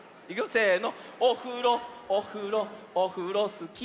せの。